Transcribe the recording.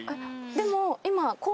でも今。